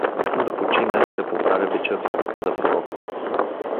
Искам да почина и да поправя бича си — каза пророкът.